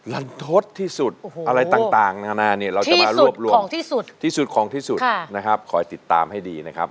ลันทศที่สุดอะไรต่างที่สุดของที่สุดขอให้ติดตามให้ดีนะครับ